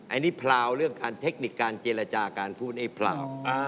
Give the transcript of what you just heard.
อันนี้พราวเรื่องการเทคนิคการเจรจาการพูดให้พลาว